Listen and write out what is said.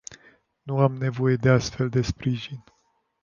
Nu am nevoie de astfel de sprijin.